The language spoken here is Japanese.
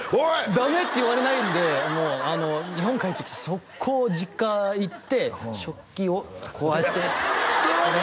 ダメって言われないんでもう日本帰ってきて即行実家行って食器をこうやって泥棒や！